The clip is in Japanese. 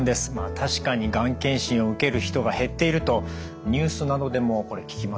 確かにがん検診を受ける人が減っているとニュースなどでもこれ聞きますよね。